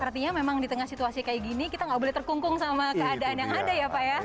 artinya memang di tengah situasi kayak gini kita nggak boleh terkungkung sama keadaan yang ada ya pak ya